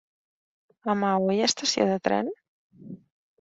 A Maó hi ha estació de tren?